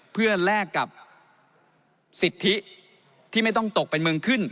เพื่อแลกกับสิทธิที่ไม่ต้องตกเป็นเมืองขึ้น